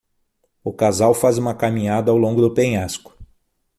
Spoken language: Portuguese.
O casal faz uma caminhada ao longo do penhasco.